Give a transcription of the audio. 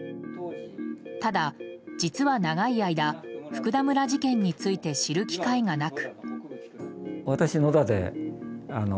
ただ、実は長い間福田村事件について知る機会がなく。